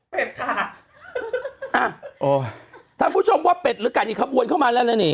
เป็นค่ะอ่าโอ้ยถ้าผู้ชมว่าเป็ดหรือกันอีกครับวนเข้ามาแล้วนี่